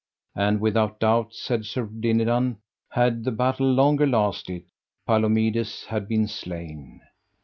And without doubt, said Sir Dinadan, had the battle longer lasted, Palomides had been slain.